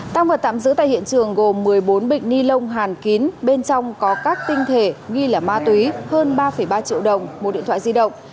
tăng vật tạm giữ tại hiện trường gồm một mươi bốn bịch ni lông hàn kín bên trong có các tinh thể nghi là ma túy hơn ba ba triệu đồng một điện thoại di động